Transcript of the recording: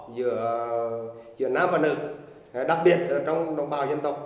giữa nam và nữ đặc biệt trong đồng bào dân tộc